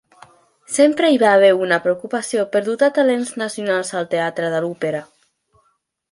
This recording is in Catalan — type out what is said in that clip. Sempre hi va haver una preocupació per dotar talents nacionals al teatre de l'òpera.